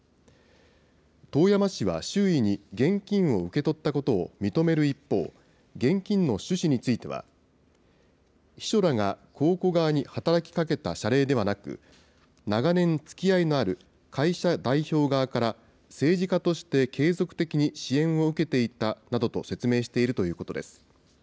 遠山氏は周囲に現金を受け取ったことを認める一方、現金の趣旨については、秘書らが公庫側に働きかけた謝礼ではなく、長年つきあいのある会社代表側から政治家として継続的に支援を受けていたなどと説明しているということです。